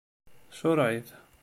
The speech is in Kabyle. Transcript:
Tcureɛ-it.